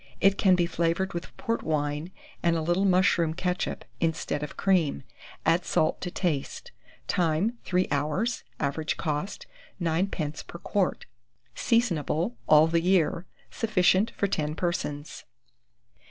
It can be flavoured with port wine and a little mushroom ketchup, instead of cream. Add salt to taste. Time. 3 hours. Average cost,9d. per quart. Seasonable all the year. Sufficient for 10 persons.